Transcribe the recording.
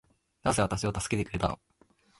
なぜ私を助けてくれたの